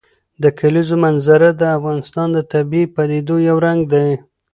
د کلیزو منظره د افغانستان د طبیعي پدیدو یو رنګ دی.